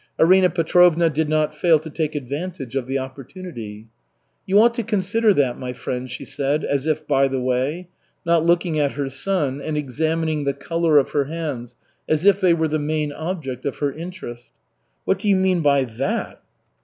Arina Petrovna did not fail to take advantage of the opportunity. "You ought to consider that, my friend," she said, as if by the way, not looking at her son and examining the color of her hands as if they were the main object of her interest. "What do you mean by 'that'?"